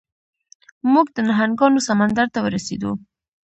موږ د نهنګانو سمندر ته ورسیدو.